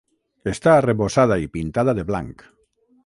Està arrebossada i pintada de blanc.